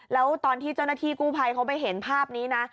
แล้วตอนที่เจ้าหน้าที่กู้ภัยเขาไปเห็นภาพนี้นะ